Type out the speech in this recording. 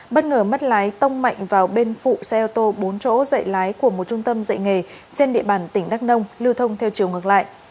bất ngờ mất lái tông mạnh vào bên phụ xe ô tô bốn chỗ dạy lái của một trung tâm dạy nghề trên địa bàn tỉnh đắk nông lưu thông theo chiều ngược lại